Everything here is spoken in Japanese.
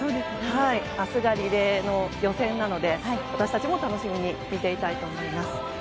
明日がリレーの予選なので私たちも楽しみに見ていたいと思います。